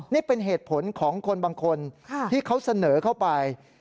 นี่เป็นเหตุผลของคนบางคนที่เขาเสนอเข้าไป